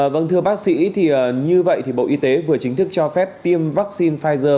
vâng thưa bác sĩ như vậy bộ y tế vừa chính thức cho phép tiêm vaccine pfizer